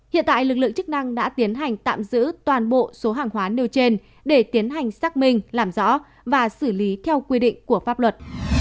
hiện tại lực lượng chức năng đã tiến hành tạm giữ toàn bộ số hàng hóa nêu trên để tiến hành xác minh làm rõ và xử lý theo quy định của pháp luật